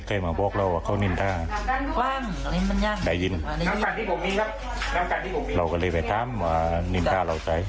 แต่พวกมันกลัวลินทาไม่ได้ลินทา